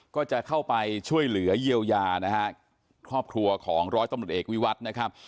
ก็จะเข้าไปช่วยเหลือเยียวยานะฮะครอบครัวของร้อยตำรวจเอกวิวัตรนะครับ